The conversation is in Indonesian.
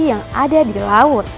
yang ada di laut